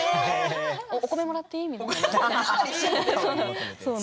お米をもらっていい？みたいな。